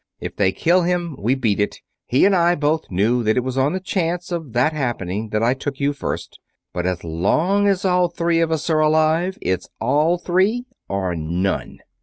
If they kill him we beat it he and I both knew that it was on the chance of that happening that I took you first but as long as all three of us are alive it's all three or none."